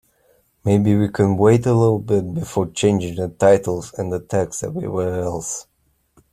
Maybe we can wait a little bit before changing the titles and the text everywhere else?